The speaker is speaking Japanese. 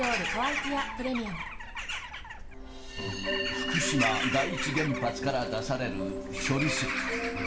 福島第一原発から出される処理水。